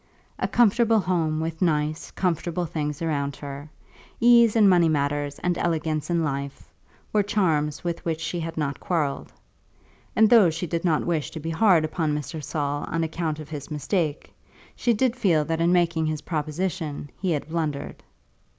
A comfortable home, with nice, comfortable things around her, ease in money matters, and elegance in life, were charms with which she had not quarrelled, and, though she did not wish to be hard upon Mr. Saul on account of his mistake, she did feel that in making his proposition he had blundered.